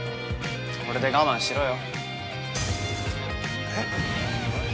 これで我慢しろよ。